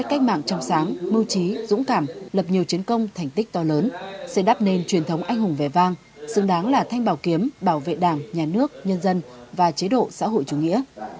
cũng cảm lập nhiều chiến công thành tích to lớn sẽ đắp nên truyền thống anh hùng vẻ vang xứng đáng là thanh bảo kiếm bảo vệ đảng nhà nước nhân dân và chế độ xã hội chủ nghĩa